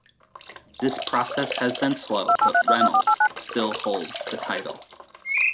This process has been slow but Reynolds still holds the title.